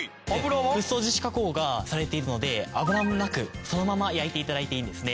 フッ素樹脂加工がされているので油もなくそのまま焼いて頂いていいんですね。